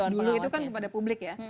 dulu itu kan kepada publik ya